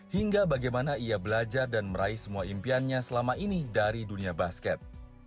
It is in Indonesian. hingga bagaimana ia belajar dan meraih semua impiannya selama ini dari dunia basket